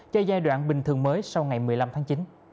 cho giai đoạn bình thường mới sau ngày một mươi năm tháng chín